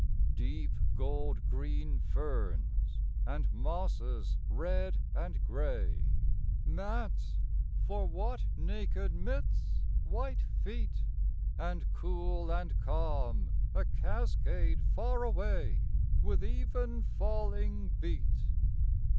Deep gold green ferns, and mosses red and gray, Mats for what naked myth's white feet? And, cool and calm, a cascade far away With even falling beat.